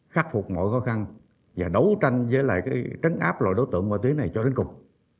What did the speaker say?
khắc phục mọi khó khăn và đấu tranh với lại trấn áp loại đối tượng ma túy này cho đến cùng